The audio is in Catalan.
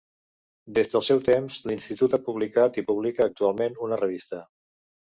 Des dels seus temps, l’Institut ha publicat i publica actualment una revista.